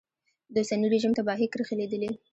د اوسني رژیم تباهي کرښې لیدلې.